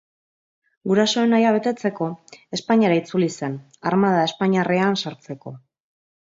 Gurasoen nahia betetzeko Espainiara itzuli zen armada espainiarrean sartzeko.